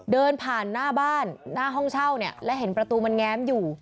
เดินผ่านหน้าบ้านหน้าห้องเช่าเนี่ยและเห็นประตูมันแง้มอยู่